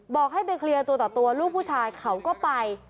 บอกให้ไปเคลียร์ตัวต่อตัวลูกผู้ชายเขาก็ไป